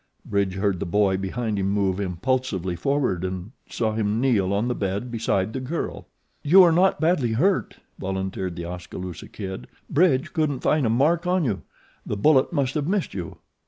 Bridge heard the boy behind him move impulsively forward and saw him kneel on the bed beside the girl. "You are not badly hurt," volunteered The Oskaloosa Kid. "Bridge couldn't find a mark on you the bullet must have missed you."